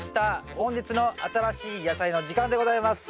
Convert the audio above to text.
本日の新しい野菜の時間でございます。